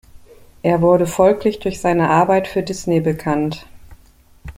Er wurde folglich durch seine Arbeit für Disney bekannt.